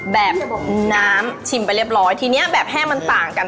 แบบน้ำชิมไปเรียบร้อยทีนี้แบบแห้งมันต่างกัน